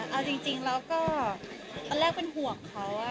เอาจริงเราก็อันแรกเป็นห่วงเขาอะ